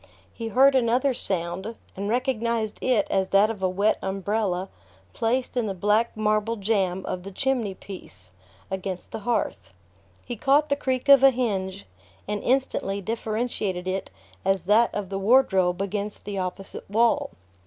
He heard another sound, and recognized it as that of a wet umbrella placed in the black marble jamb of the chimney piece, against the hearth. He caught the creak of a hinge, and instantly differentiated it as that of the wardrobe against the opposite wall.